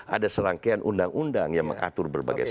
ada serangkaian undang undang yang mengatur berbagai